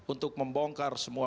untuk membongkar semua